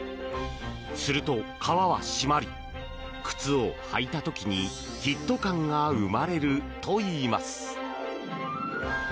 すると革は締まり靴を履いた時にフィット感が生まれるといいます。